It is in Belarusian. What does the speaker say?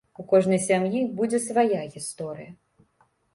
У кожнай сям'і будзе свая гісторыя.